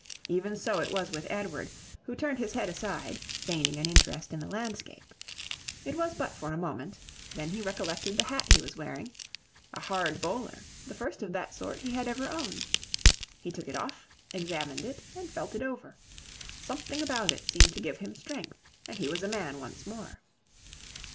Even so it was with Edward, who turned his head aside, feigning an interest in the landscape. It was but for a moment; then he recollected the hat he was wearing, a hard bowler, the first of that sort he had ever owned. He took it off, examined it, and felt it over. Something about it seemed to give him strength, and he was a man once more.